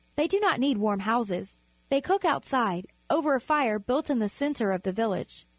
They do not need warm houses. They cook outside, over a fire built in the centre of the village.